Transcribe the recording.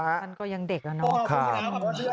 ท่านก็ยังเด็กแล้วเนาะ